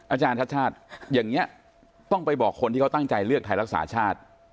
อาจารย์ชาติชาติอย่างนี้ต้องไปบอกคนที่เขาตั้งใจเลือกไทยรักษาชาติ